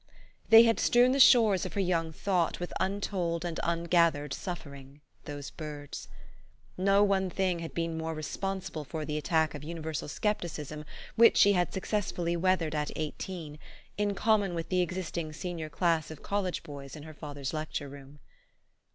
They had strewn the shores of her young thought with untold and ungathered suffering, those birds. No one thing had been more responsible for the attack of universal scepticism which she had success fully weathered at eighteen, in common with the existing senior class of college boys in her father's lecture room.